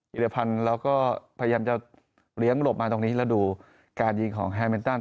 อีรภัณฑ์แล้วก็พยายามจะเลี้ยงหลบมาตรงนี้แล้วดูการยิงของแฮร์เมนตัน